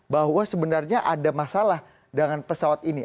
bahwa sebenarnya ada masalah dengan pesawat ini